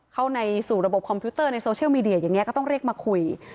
เข้าสู่ระบบคอมพิวเตอร์ในโซเชียลมีเดียอย่างนี้ก็ต้องเรียกมาคุย